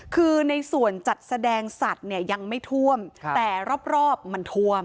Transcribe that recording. คือในส่วนจัดแสดงสัตว์เนี่ยยังไม่ท่วมแต่รอบมันท่วม